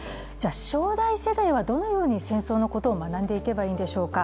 将来世代はどのように戦争のことを学んでいけばいいんでしょうか。